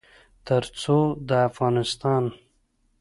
تر څو د افغانستان